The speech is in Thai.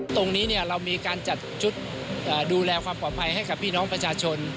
ตรงนี้เรามีการจัดชุดดูแลความปลอดภัยให้กับพี่น้องประชาชน